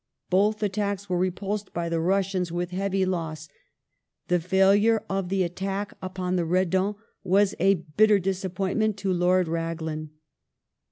Both attacks were / i epulsed by the Russians with heavy loss. The failure of the at tack upon the Redan was a bitter disappointment to Lord Raglan.